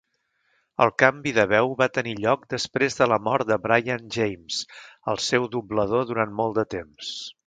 El canvi de veu va tenir lloc després de la mort de Brian James, el seu doblador durant molt de temps.